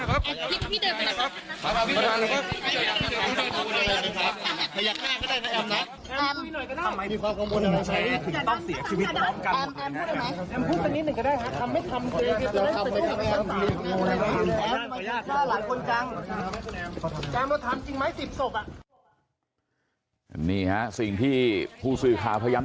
แอมมัติจริงไหมสิบศพอ่ะอย่างนี่ฮะสี่อีกพูดสิฟะพยายาม